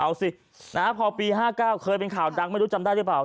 เอาสิพอปี๕๙เคยเป็นข่าวดังไม่รู้จำได้หรือเปล่า